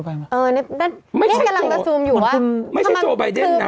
อันนี้กำลังจะซูมอยู่ว่าไม่ใช่โจไบเดนนะ